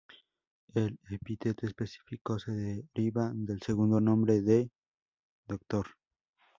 El epíteto específico se deriva del segundo nombre del Dr.